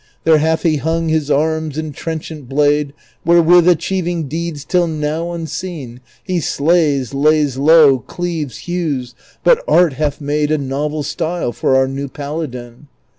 There hath he hung his arms and trenchant blade AVherewith, achieving deeds till now unseen, He slays, lays low, cleaves, hews ; but art hath made A novel style for our new paladin.